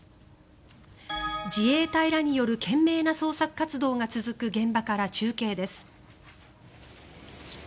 自衛隊らによる懸命な捜索活動が続く現場から中継です。